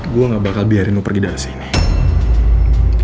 gue gak bakal biarin lo pergi dari sini